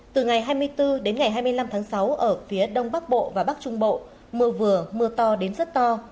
từ ngày hai mươi bốn đến ngày hai mươi năm tháng sáu ở phía đông bắc bộ và bắc trung bộ mưa vừa mưa to đến rất to